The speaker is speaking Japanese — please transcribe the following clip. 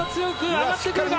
上がってくるか。